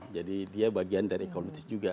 jadi dia bagian dari eucalyptus juga